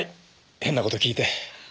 変な事聞いて。